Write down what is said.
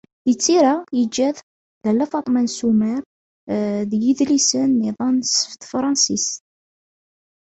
Di tira, yeǧǧa-d: Lalla Faḍma n Sumer d yidlisen-nniḍen s Tefransist.